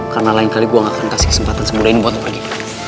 karena lain kali gue gak akan kasih kesempatan semudah ini buat lo pergi